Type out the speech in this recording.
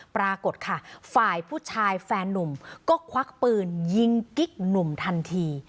ปรากฏค่ะฝ่ายผู้ชายแฟนนุ่มก็ควักปืนยิงกิ๊กหนุ่มทันที